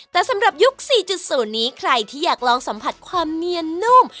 แต่สำหรับยุค๔๐นี้ใครที่อยากลองสัมผัสความเนียนนุ่ม